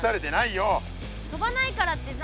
飛ばないからってさ。